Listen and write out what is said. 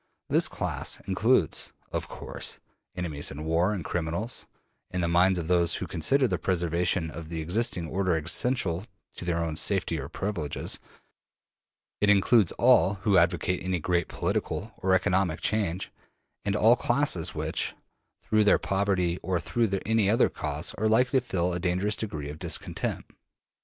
This class includes, of course, enemies in war, and criminals; in the minds of those who consider the preservation of the existing order essential to their own safety or privileges, it includes all who advocate any great political or economic change, and all classes which, through their poverty or through any other cause, are likely to feel a dangerous degree of discontent.